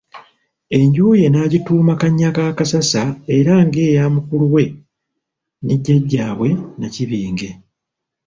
Enju ye n'agituuma Kannyakassasa era ng'eya mukulu we ne jjajjaabwe Nnakibinge.